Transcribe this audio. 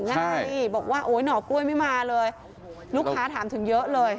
ใช่บอกว่าโอ๊ยหน่อกล้วยไม่มาเลยลูกค้าถามถึงเยอะเลย